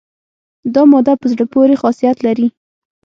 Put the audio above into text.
دا ماده په زړه پورې خاصیت لري.